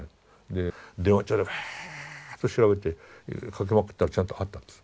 で電話帳でバーッと調べてかけまくったらちゃんとあったんです。